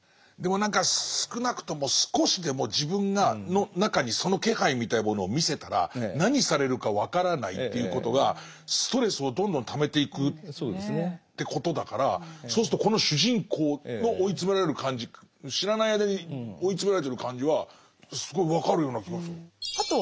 でも何か少なくとも少しでも自分の中にその気配みたいなものを見せたら何されるか分からないっていうことがストレスをどんどんためていくってことだからそうするとこの主人公の追い詰められる感じ知らない間に追い詰められてる感じはすごい分かるような気がする。